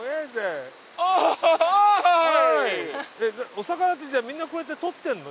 お魚ってじゃあみんなこうやって取ってんの？